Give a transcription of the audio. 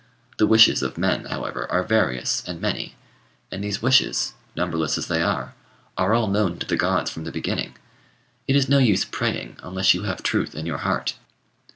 The wishes of men, however, are various and many; and these wishes, numberless as they are, are all known to the gods from the beginning. It is no use praying, unless you have truth in your heart.